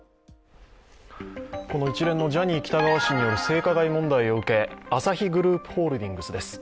この一連のジャニー喜多川氏による性加害問題を受けアサヒグループホールディングスです。